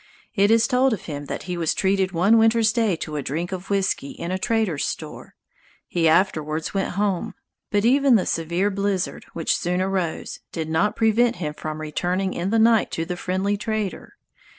It is told of him that he was treated one winter's day to a drink of whisky in a trader's store. He afterwards went home; but even the severe blizzard which soon arose did not prevent him from returning in the night to the friendly trader.